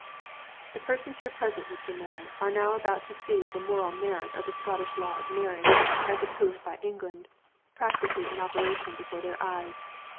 "The persons here present, Mr. Moy, are now about to see the moral merit of the Scotch law of marriage (as approved by England) practically in operation before their own eyes.